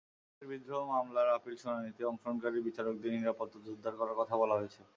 BDR বিদ্রোহ মামলার appeal শুনানিতে অংশগ্রহণকারী বিচারকদের নিরাপত্তা জোরদার করার কথা বলা হয়েছে।